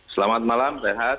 selamat malam sehat